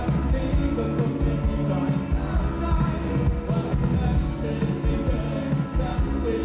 วันนั้นเศษไม่เคยฉันไม่เคยไม่เคยไม่รู้เป็นอย่างไร